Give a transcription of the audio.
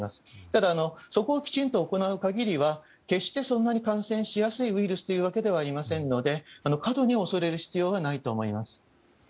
ただ、そこをきちんと行う限りは決して、そんなに感染しやすいウイルスではありませんので過度に恐れる必要はないと思います。